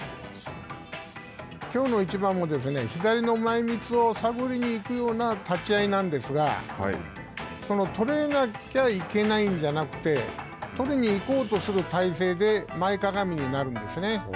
きょうの一番も左の前褌を探りに行くような立ち合いなんですが取れなきゃいけないんじゃなくて取りに行こうとする体勢で前かがみになるんですね。